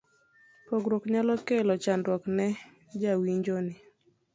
pogruok nyalo kelo chandruok ne jawinjo ni